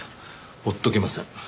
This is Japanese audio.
放っとけません。